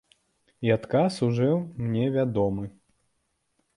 І адказ ужо мне вядомы.